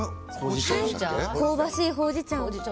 香ばしいほうじ茶を。